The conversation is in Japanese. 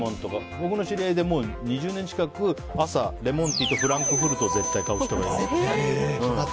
僕の知り合いで２０年近く、朝レモンティーとフランクフルトを絶対買う人がいます。